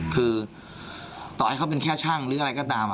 คือต่อให้เขาเป็นแค่ช่างหรืออะไรก็ตาม